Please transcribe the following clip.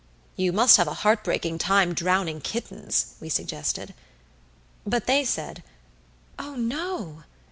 "You must have a heartbreaking time drowning kittens," we suggested. But they said, "Oh, no!